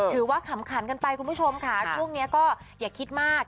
ขำขันกันไปคุณผู้ชมค่ะช่วงนี้ก็อย่าคิดมาก